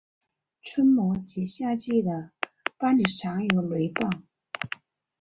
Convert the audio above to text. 春末及夏季的巴里常有雷暴。